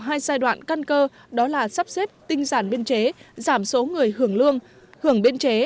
hai giai đoạn căn cơ đó là sắp xếp tinh giản biên chế giảm số người hưởng lương hưởng biên chế